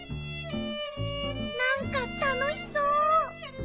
なんかたのしそう！